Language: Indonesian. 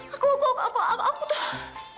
aku aku aku aku tuh